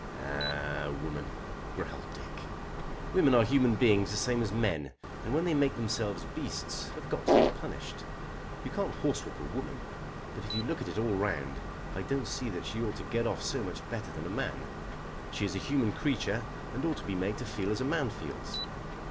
"A woman," growled Dick. "Women are human beings the same as men, and when they make themselves beasts have got to be punished. You can't horsewhip a woman; but if you look at it all round I don't see that she ought to get off so much better than a man. She is a human creature and ought to be made to feel as a man feels."